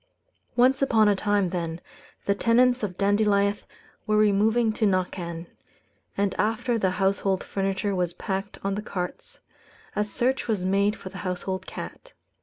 Once upon a time, then, the tenants of Dandilieth were removing to Knockan; and after the household furniture was packed on the carts, a search was made for the household cat.